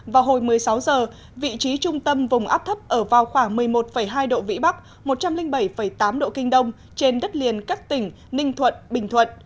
vào hồi một mươi sáu giờ vị trí trung tâm vùng áp thấp ở vào khoảng một mươi một hai độ vĩ bắc một trăm linh bảy tám độ kinh đông trên đất liền các tỉnh ninh thuận bình thuận